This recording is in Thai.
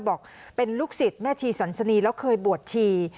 บอกเป็นลูกศิษย์แม่ชีสันสนีแล้วเคยบวชชี